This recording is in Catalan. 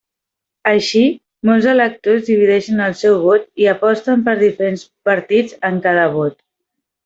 Així, molts electors divideixen el seu vot i aposten per diferents partits en cada vot.